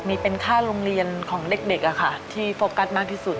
มีเป็นค่าโรงเรียนของเด็กที่โฟกัสมากที่สุด